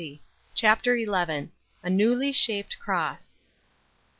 CHAPTER XL A NEWLY SHAPED CKOSS.